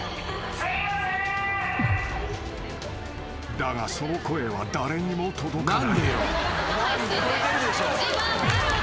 ［だがその声は誰にも届かない］